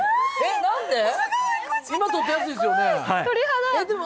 今撮ったやつですよね？